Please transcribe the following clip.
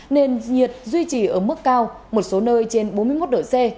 nền nhiệt duy trì ở mức cao một số nơi trên bốn mươi một độ c